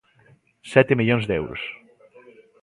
Sete millóns de euros.